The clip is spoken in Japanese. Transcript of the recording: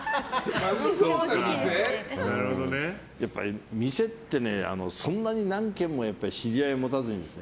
やっぱり店ってそんなに何軒も知り合いを持たずに。